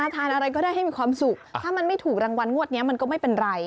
ถ้าไม่ถูกรางวัลงวดนี้ก็ไม่เป็นไร